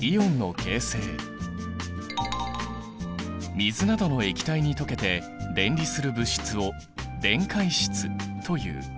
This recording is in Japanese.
水などの液体に溶けて電離する物質を電解質という。